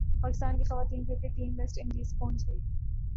پاکستان کی خواتین cricket team West Indies پہنچ گئی